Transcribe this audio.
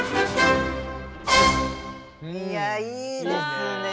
いやいいですね。